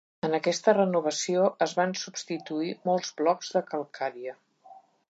En aquesta renovació es van substituir molts blocs de calcària.